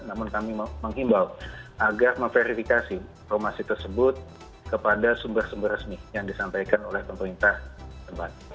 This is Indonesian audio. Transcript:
namun kami menghimbau agar memverifikasi informasi tersebut kepada sumber sumber resmi yang disampaikan oleh pemerintah tempat